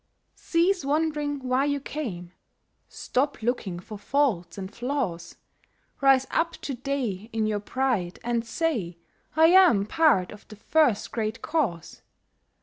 Cease wondering why you came— Stop looking for faults and flaws; Rise up to day in your pride and say, "I am part of the First Great Cause!